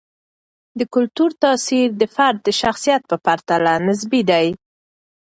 د کلتور تاثیر د فرد د شخصیت په پرتله نسبي دی.